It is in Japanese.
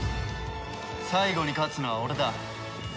最後に勝つのは俺だ。